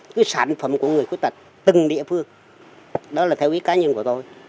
cái sản phẩm của người khuyết tật từng địa phương đó là theo ý cá nhân của tôi